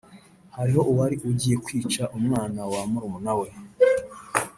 Hariho uwari ugiye kwica umwana wa murumuna we